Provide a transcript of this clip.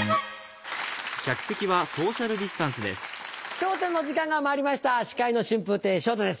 『笑点』の時間がまいりました司会の春風亭昇太です。